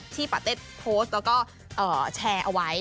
ปาเต็ดโพสต์แล้วก็แชร์เอาไว้